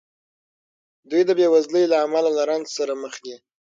دوی د بېوزلۍ له امله له رنځ سره مخ دي.